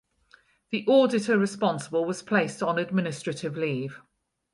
The auditor responsible was placed on administrative leave.